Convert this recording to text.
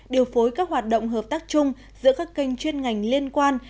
điều phối các hoạt động hợp tác chung giữa các kênh chuyên ngành liên quan